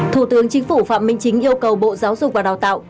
thủ tướng chính phủ phạm minh chính yêu cầu bộ giáo dục và đào tạo